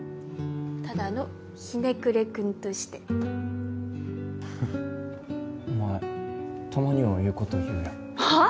ただのひねくれ君としてフッお前たまにはええこと言うやんはあ？